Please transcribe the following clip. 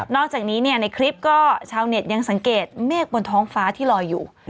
อกจากนี้ในคลิปก็ชาวเน็ตยังสังเกตเมฆบนท้องฟ้าที่ลอยอยู่